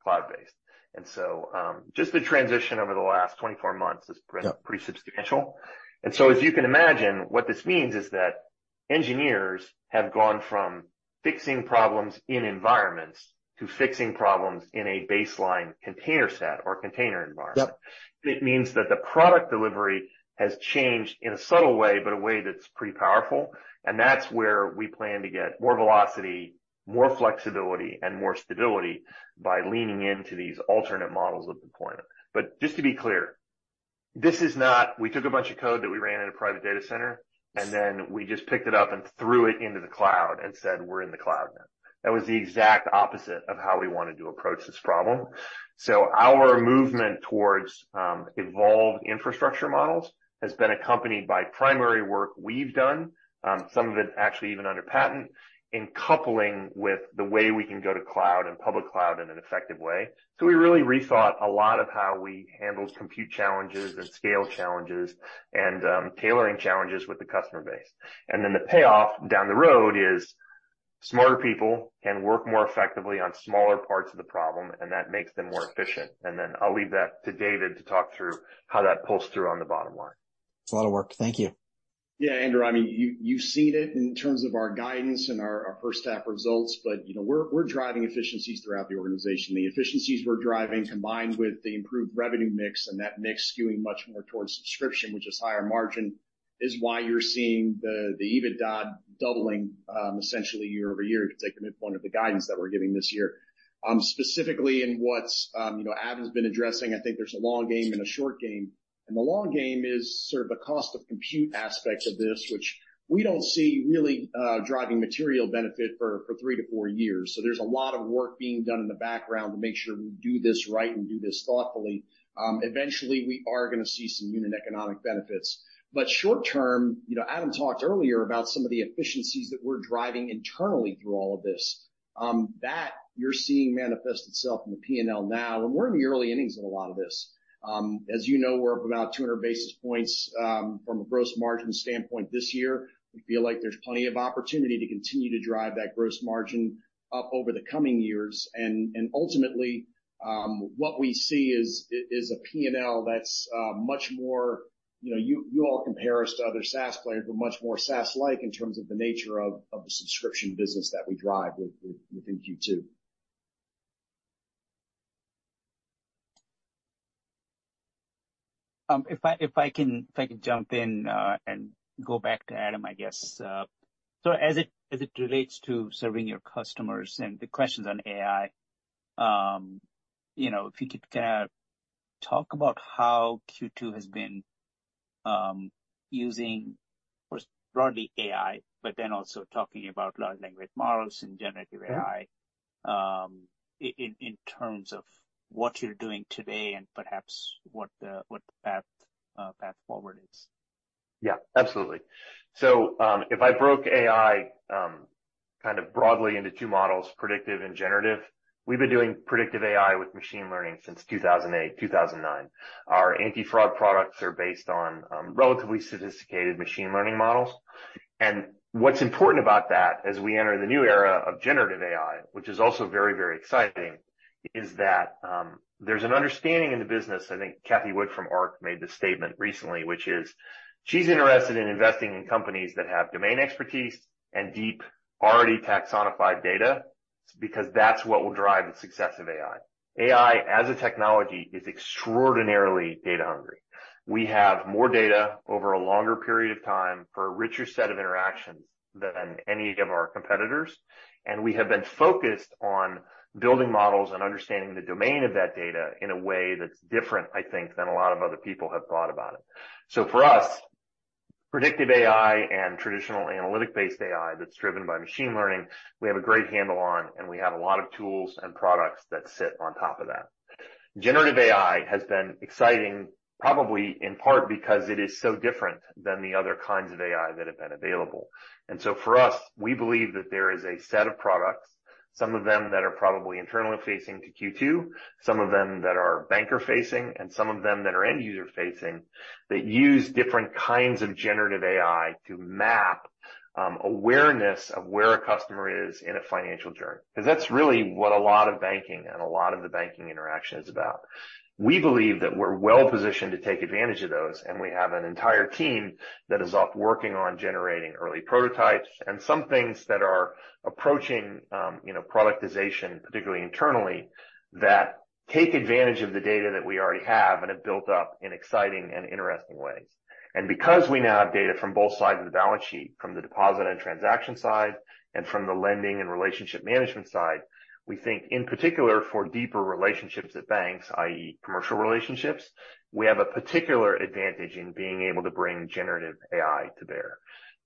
cloud-based. And so, just the transition over the last 24 months is pretty substantial. As you can imagine, what this means is that engineers have gone from fixing problems in environments to fixing problems in a baseline container set or container environment. Yep. It means that the product delivery has changed in a subtle way, but a way that's pretty powerful, and that's where we plan to get more velocity, more flexibility, and more stability by leaning into these alternate models of deployment. But just to be clear, this is not... We took a bunch of code that we ran in a private data center, and then we just picked it up and threw it into the cloud and said, "We're in the cloud now." That was the exact opposite of how we wanted to approach this problem. So our movement towards evolved infrastructure models has been accompanied by primary work we've done, some of it actually even under patent, in coupling with the way we can go to cloud and public cloud in an effective way. So we really rethought a lot of how we handled compute challenges and scale challenges and, tailoring challenges with the customer base. Then the payoff down the road is smarter people can work more effectively on smaller parts of the problem, and that makes them more efficient. Then I'll leave that to David to talk through how that pulls through on the bottom line. It's a lot of work. Thank you. ...Yeah, Andrew, I mean, you, you've seen it in terms of our guidance and our first half results, but, you know, we're driving efficiencies throughout the organization. The efficiencies we're driving, combined with the improved revenue mix, and that mix skewing much more towards subscription, which is higher margin, is why you're seeing the EBITDA doubling, essentially year-over-year, if you take the midpoint of the guidance that we're giving this year. Specifically in what's, you know, Adam's been addressing, I think there's a long game and a short game. And the long game is sort of the cost of compute aspects of this, which we don't see really driving material benefit for 3-4 years. So there's a lot of work being done in the background to make sure we do this right and do this thoughtfully. Eventually, we are gonna see some unit economic benefits. But short term, you know, Adam talked earlier about some of the efficiencies that we're driving internally through all of this. That you're seeing manifest itself in the P&L now, and we're in the early innings in a lot of this. As you know, we're up about 200 basis points from a gross margin standpoint this year. We feel like there's plenty of opportunity to continue to drive that gross margin up over the coming years. And ultimately, what we see is a P&L that's much more... You know, you all compare us to other SaaS players, but much more SaaS-like in terms of the nature of the subscription business that we drive with, within Q2. If I can jump in and go back to Adam, I guess. So as it relates to serving your customers and the questions on AI, you know, if you could kind of talk about how Q2 has been using, of course, broadly AI, but then also talking about large language models and generative AI, in terms of what you're doing today and perhaps what the path forward is. Yeah, absolutely. So, if I broke AI kind of broadly into two models, predictive and generative, we've been doing predictive AI with machine learning since 2008, 2009. Our anti-fraud products are based on relatively sophisticated machine learning models. And what's important about that, as we enter the new era of generative AI, which is also very, very exciting, is that there's an understanding in the business. I think Cathie Wood from ARK made this statement recently, which is she's interested in investing in companies that have domain expertise and deep, already taxonomized data, because that's what will drive the success of AI. AI, as a technology, is extraordinarily data hungry. We have more data over a longer period of time for a richer set of interactions than any of our competitors, and we have been focused on building models and understanding the domain of that data in a way that's different, I think, than a lot of other people have thought about it. So for us, predictive AI and traditional analytic-based AI that's driven by machine learning, we have a great handle on, and we have a lot of tools and products that sit on top of that. generative AI has been exciting, probably in part because it is so different than the other kinds of AI that have been available. So for us, we believe that there is a set of products, some of them that are probably internally facing to Q2, some of them that are banker facing, and some of them that are end user facing, that use different kinds of generative AI to map awareness of where a customer is in a financial journey. Because that's really what a lot of banking and a lot of the banking interaction is about. We believe that we're well positioned to take advantage of those, and we have an entire team that is off working on generating early prototypes and some things that are approaching, you know, productization, particularly internally, that take advantage of the data that we already have and have built up in exciting and interesting ways. Because we now have data from both sides of the balance sheet, from the deposit and transaction side, and from the lending and relationship management side, we think, in particular, for deeper relationships at banks, i.e., commercial relationships, we have a particular advantage in being able to bring generative AI to bear.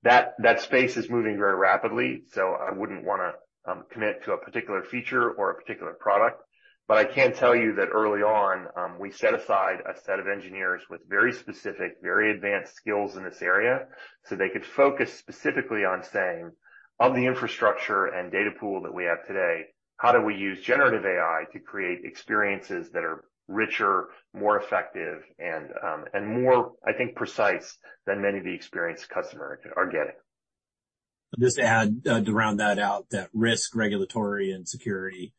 That space is moving very rapidly, so I wouldn't want to commit to a particular feature or a particular product, but I can tell you that early on, we set aside a set of engineers with very specific, very advanced skills in this area, so they could focus specifically on saying, "Of the infrastructure and data pool that we have today, how do we use generative AI to create experiences that are richer, more effective, and more, I think, precise than many of the experiences customers are getting? Just to add, to round that out, that risk, regulatory, and security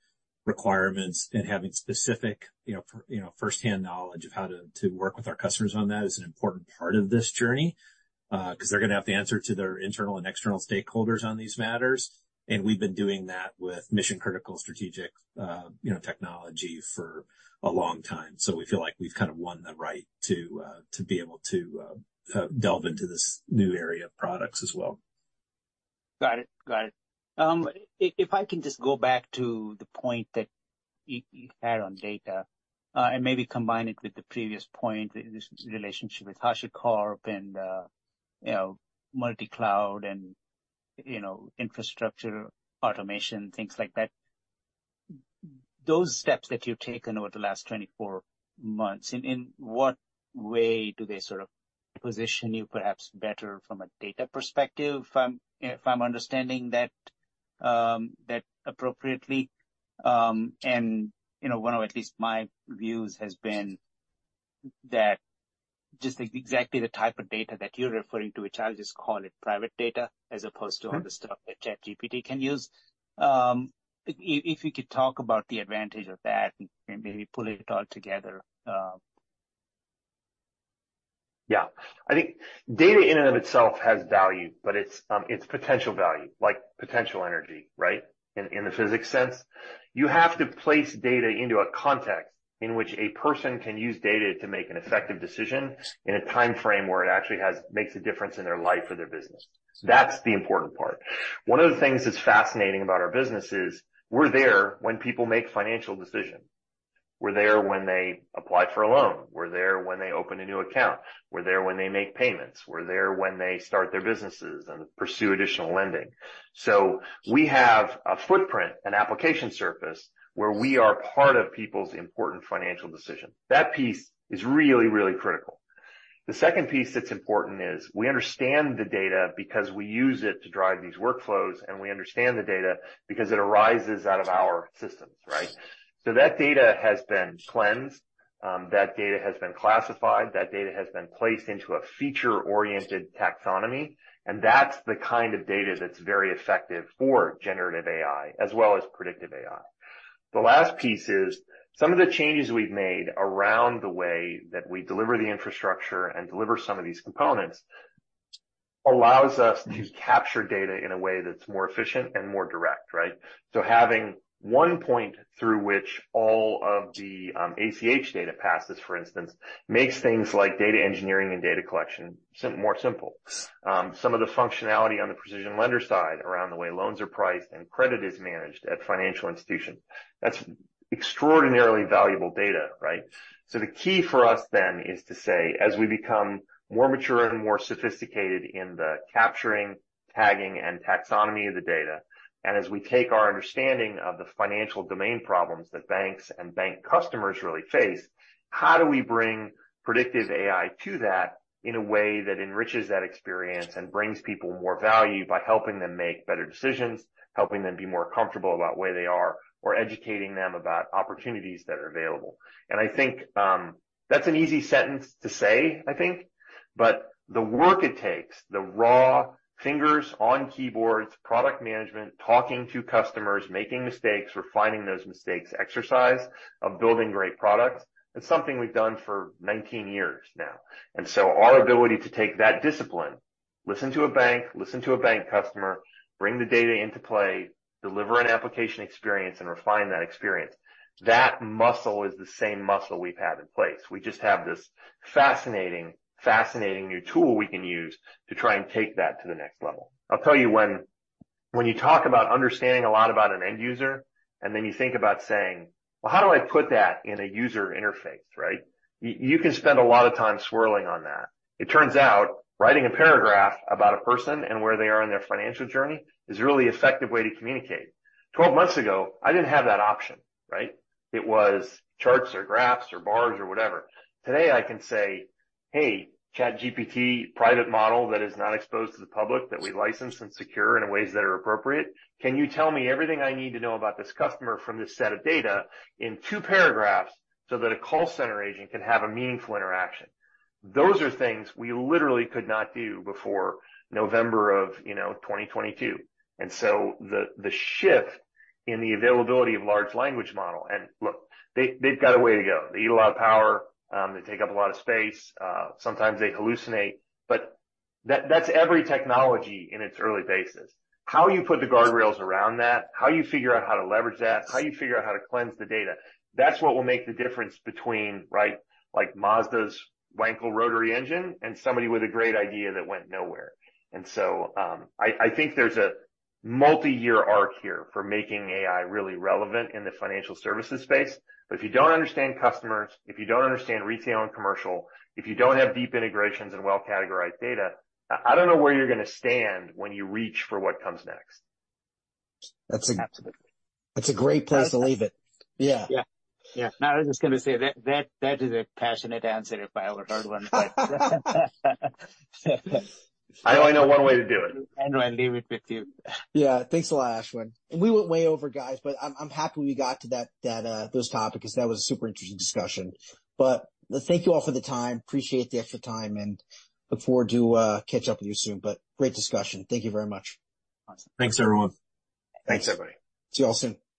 requirements and having specific, you know, firsthand knowledge of how to to work with our customers on that is an important part of this journey, because they're gonna have to answer to their internal and external stakeholders on these matters. And we've been doing that with mission-critical strategic, you know, technology for a long time. So we feel like we've kind of won the right to to be able to delve into this new area of products as well. Got it. Got it. If, if I can just go back to the point that you, you had on data, and maybe combine it with the previous point, this relationship with HashiCorp and, you know, multi-cloud and, you know, infrastructure, automation, things like that. Those steps that you've taken over the last 24 months, in, in what way do they sort of position you perhaps better from a data perspective, if I'm, if I'm understanding that, that appropriately? And, you know, one of at least my views has been that just exactly the type of data that you're referring to, which I'll just call it private data, as opposed to all the stuff that ChatGPT can use. If, if you could talk about the advantage of that and maybe pull it all together,... Yeah, I think data in and of itself has value, but it's, it's potential value, like potential energy, right? In the physics sense. You have to place data into a context in which a person can use data to make an effective decision in a timeframe where it actually makes a difference in their life or their business. That's the important part. One of the things that's fascinating about our business is, we're there when people make financial decisions. We're there when they apply for a loan. We're there when they open a new account. We're there when they make payments. We're there when they start their businesses and pursue additional lending. So we have a footprint, an application surface, where we are part of people's important financial decisions. That piece is really, really critical. The second piece that's important is we understand the data because we use it to drive these workflows, and we understand the data because it arises out of our systems, right? So that data has been cleansed, that data has been classified, that data has been placed into a feature-oriented taxonomy, and that's the kind of data that's very effective for generative AI as well as predictive AI. The last piece is some of the changes we've made around the way that we deliver the infrastructure and deliver some of these components, allows us to capture data in a way that's more efficient and more direct, right? So having one point through which all of the ACH data passes, for instance, makes things like data engineering and data collection more simple. Some of the functionality on the PrecisionLender side, around the way loans are priced and credit is managed at financial institutions, that's extraordinarily valuable data, right? So the key for us then is to say, as we become more mature and more sophisticated in the capturing, tagging, and taxonomy of the data, and as we take our understanding of the financial domain problems that banks and bank customers really face, how do we bring predictive AI to that in a way that enriches that experience and brings people more value by helping them make better decisions, helping them be more comfortable about where they are, or educating them about opportunities that are available? And I think, that's an easy sentence to say, I think. But the work it takes, the raw fingers on keyboards, product management, talking to customers, making mistakes, refining those mistakes, exercise of building great products, that's something we've done for 19 years now. And so our ability to take that discipline, listen to a bank, listen to a bank customer, bring the data into play, deliver an application experience, and refine that experience, that muscle is the same muscle we've had in place. We just have this fascinating, fascinating new tool we can use to try and take that to the next level. I'll tell you when, when you talk about understanding a lot about an end user, and then you think about saying, "Well, how do I put that in a user interface, right?" You can spend a lot of time swirling on that. It turns out, writing a paragraph about a person and where they are in their financial journey is a really effective way to communicate. 12 months ago, I didn't have that option, right? It was charts or graphs or bars or whatever. Today, I can say, "Hey, ChatGPT, private model that is not exposed to the public, that we license and secure in ways that are appropriate, can you tell me everything I need to know about this customer from this set of data in two paragraphs, so that a call center agent can have a meaningful interaction?" Those are things we literally could not do before November of, you know, 2022. And so the shift in the availability of large language model... And look, they've got a way to go. They eat a lot of power, they take up a lot of space, sometimes they hallucinate, but that's every technology in its early phases. How you put the guardrails around that, how you figure out how to leverage that, how you figure out how to cleanse the data, that's what will make the difference between, right, like Mazda's Wankel rotary engine and somebody with a great idea that went nowhere. And so, I think there's a multi-year arc here for making AI really relevant in the financial services space. But if you don't understand customers, if you don't understand retail and commercial, if you don't have deep integrations and well-categorized data, I don't know where you're gonna stand when you reach for what comes next. That's a great place to leave it. Yeah. Yeah. Yeah. No, I was just gonna say, that is a passionate answer if I ever heard one. I only know one way to do it. I'll leave it with you. Yeah. Thanks a lot, Ashwin. And we went way over, guys, but I'm happy we got to that those topics, because that was a super interesting discussion. But thank you all for the time. Appreciate the extra time, and look forward to catch up with you soon. But great discussion. Thank you very much. Thanks, everyone. Thanks, everybody. See you all soon.